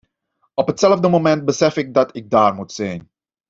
Op hetzelfde moment besef ik dat ik daar moet zijn.